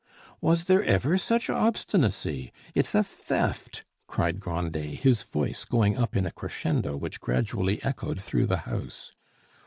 "Was there ever such obstinacy! It's a theft," cried Grandet, his voice going up in a crescendo which gradually echoed through the house.